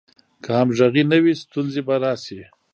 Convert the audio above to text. که همغږي نه وي، ستونزې به راشي.